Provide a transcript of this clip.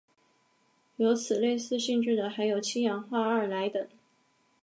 有此类似性质的还有七氧化二铼等。